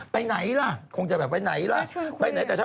ไปไหนล่ะคงจะแบบไปไหนล่ะ